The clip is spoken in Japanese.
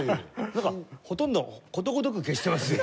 なんかほとんどことごとく消してますよね。